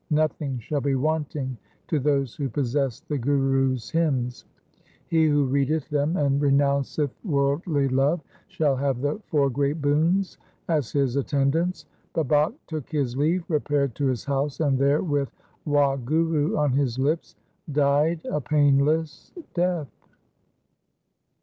Nothing shall be wanting to those who possess the Gurus' hymns. He who readeth them and renounceth worldly love shall have the four great boons as his attendants.' Babak took his leave, repaired to his house, and there with Wah guru on his lips died a painless death.